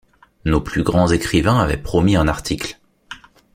Nos plus grands écrivains avaient promis un article.